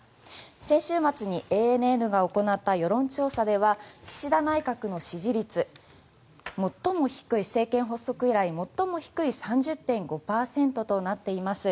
先週末にＡＮＮが行った世論調査では岸田内閣の支持率政権発足以来最も低い３０．５％となっています。